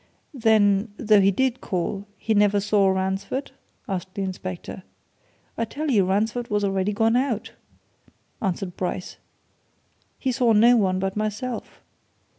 "Then though he did call he never saw Ransford?" asked the inspector. "I tell you Ransford was already gone out," answered Bryce. "He saw no one but myself.